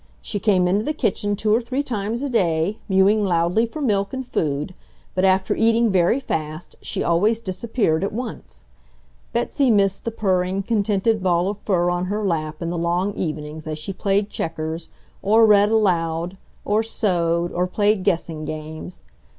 She came into the kitchen two or three times a day, mewing loudly for milk and food, but after eating very fast she always disappeared at once. Betsy missed the purring, contented ball of fur on her lap in the long evenings as she played checkers, or read aloud, or sewed, or played guessing games.